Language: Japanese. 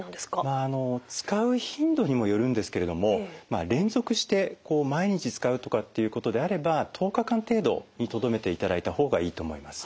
まあ使う頻度にもよるんですけれども連続して毎日使うとかっていうことであれば１０日間程度にとどめていただいた方がいいと思います。